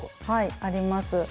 はいあります。